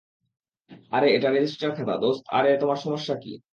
আরে, এটা রেজিস্টার খাতা, দোস্ত আরে তোমার সমস্যা কি?